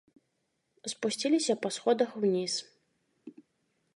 Спусціліся па сходах уніз.